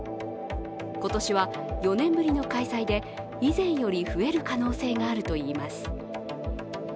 今年は４年ぶりの開催で以前より増える可能性があるといいます。